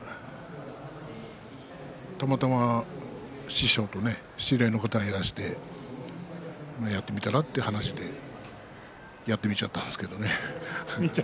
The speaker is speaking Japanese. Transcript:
たまたま師匠と知り合いの方がいらしてやってみたらということでやってみちゃったんですか。